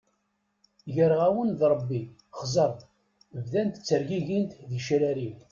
Greɣ-awen-d Rebbi, xẓer, bdant ttergigint tgecrar-iw.